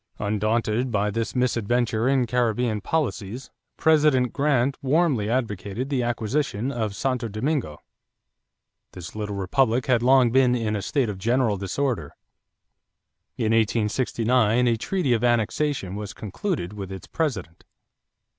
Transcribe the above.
Undaunted by the misadventure in Caribbean policies, President Grant warmly advocated the acquisition of Santo Domingo. This little republic had long been in a state of general disorder. In 1869 a treaty of annexation was concluded with its president.